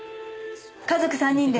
家族３人で。